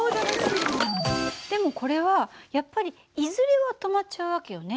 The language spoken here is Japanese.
でもこれはやっぱりいずれは止まっちゃう訳よね。